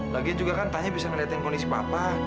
lagi juga kan tanya bisa ngeliatin kondisi papa